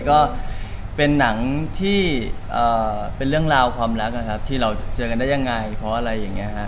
ก็เป็นหนังที่เป็นเรื่องราวความรักนะครับที่เราเจอกันได้ยังไงเพราะอะไรอย่างนี้ฮะ